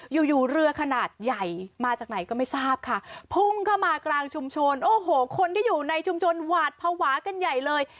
อยู่อยู่เรือขนาดใหญ่มาจากไหนก็ไม่ทราบค่ะพุ่งเข้ามากลางชุมชนโอ้โหคนที่อยู่ในชุมชนหวาดภาวะกันใหญ่เลย